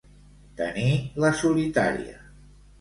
Tenir la solitària.